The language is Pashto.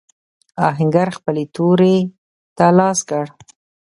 آهنګر خپلې تورې ته لاس کړ.